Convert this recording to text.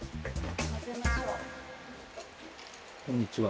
こんにちは。